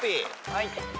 はい。